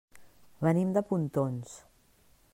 Venim de Pontons.